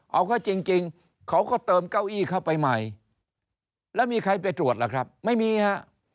เอาก็จริงเขาก็เติมเก้าอี้เข้าไปใหม่แล้วมีใครไปตรวจล่ะครับไม่มีฮะ